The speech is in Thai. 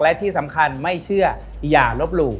และที่สำคัญไม่เชื่ออย่าลบหลู่